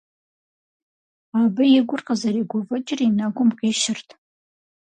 Абы и гур къызэригуфӀыкӀыр и нэгум къищырт.